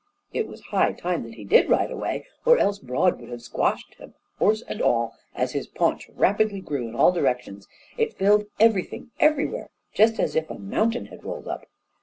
It was high time that he did ride away, or else Broad would have squashed him, horse and all, as his paunch rapidly grew in all directions; it filled everything everywhere, just as if a mountain had rolled up.